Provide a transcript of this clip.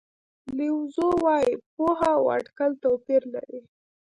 لیو زو وایي پوهه او اټکل توپیر لري.